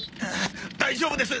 大丈夫です！